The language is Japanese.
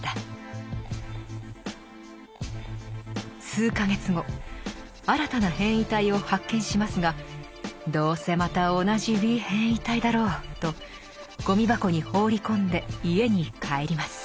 数か月後新たな変異体を発見しますが「どうせまた同じウィー変異体だろう」とゴミ箱に放り込んで家に帰ります。